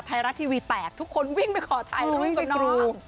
ไทยรัฐทีวีแปดทุกคนวิ่งไปขอไทยรู้กับน้อง